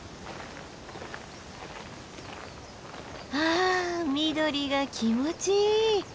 あ緑が気持ちいい！